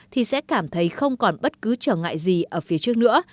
thì sẽ cảm thấy không còn bất cứ trở ngại gì ở phía trước nữa